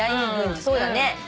そうだね。